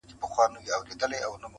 حقيقت له کيسې نه لوی دی,